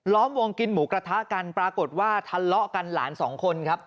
วงกินหมูกระทะกันปรากฏว่าทะเลาะกันหลานสองคนครับ